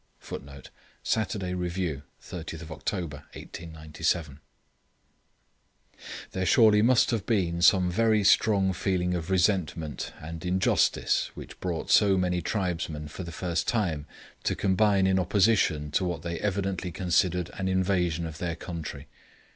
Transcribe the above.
[Footnote: Saturday Review, 30th Oct. 1897.] There surely must have been some very strong feeling of resentment and injustice which brought so many tribesmen for the first time to combine in opposition to what they evidently considered an invasion of their country.